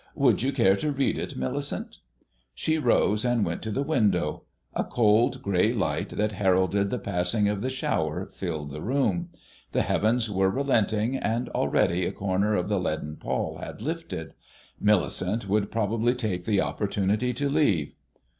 "Would you care to read it, Millicent?" She rose and went to the window. A cold grey light that heralded the passing of the shower filled the room. The heavens were relenting, and already a corner of the leaden pall had lifted. Millicent would probably take the opportunity to leave.